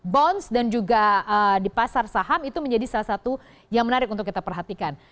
bonds dan juga di pasar saham itu menjadi salah satu yang menarik untuk kita perhatikan